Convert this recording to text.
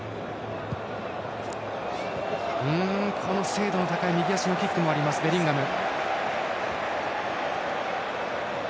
精度の高い右足のキックもあるベリンガム。